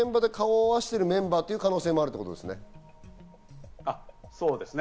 そうなると他の現場で顔を合わせているメンバーという可能性もあるということですね。